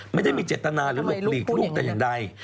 ไม่ได้มีเจตนาหรือหลบหลีกลูกแต่อย่างใด